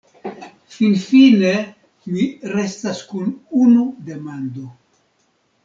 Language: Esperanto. Finfine, mi restas kun unu demando.